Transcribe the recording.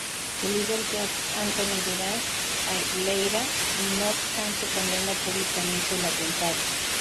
Su líder Josep Antoni Duran i Lleida, no obstante, condenó públicamente el atentado.